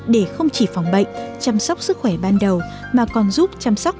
để không chỉ phòng bệnh chăm sóc sức khỏe ban đầu mà còn giúp chăm sóc